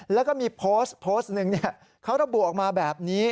แล้วก็มีโพสต์โพสต์นึงเนี่ยเขาระบวกมาแบบนี้